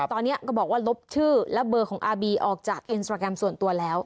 ตอนนี้ก็บอกว่าลบชื่อและเบอร์ของอาบีออกจากอินสตราแกรมส่วนตัวแล้ว